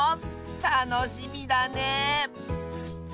たのしみだね！